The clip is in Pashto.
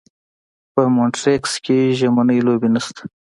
په مونټریکس کې ژمنۍ لوبې نشته.